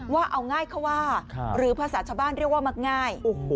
ว่าเอาง่ายเขาว่าหรือภาษาชาวบ้านเรียกว่ามักง่าย